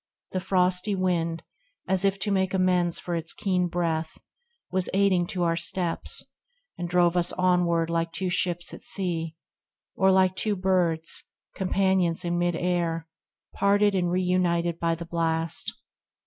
The frosty wind, as if to make amends For its keen breath, was aiding to our steps, And drove us onward like two ships at sea, Or like two birds, companions in mid air, Parted and reunited by the blast.